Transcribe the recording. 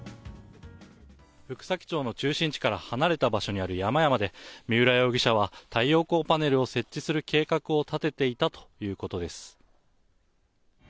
福崎町の中心地から離れた場所にある山々で、三浦容疑者は、太陽光パネルを設置する計画を立てていたということです。